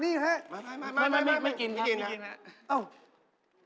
ไม่กินครับไม่กินครับเอ้า